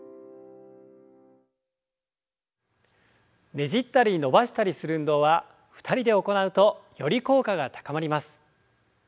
ねじったり伸ばしたりする運動は２人で行うとより効果が高まります。